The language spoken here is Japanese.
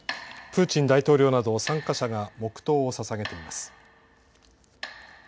プーチン大統領など参加者が黙とうをささげています。